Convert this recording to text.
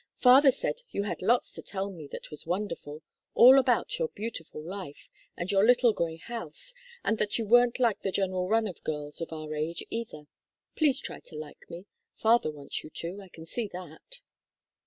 Father said you had lots to tell me that was wonderful, all about your beautiful life, and your little grey house, and that you weren't like the general run of girls of our age either. Please try to like me father wants you to; I can see that."